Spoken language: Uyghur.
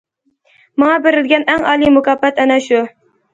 ماڭا بېرىلگەن ئەڭ ئالىي مۇكاپات ئەنە شۇ.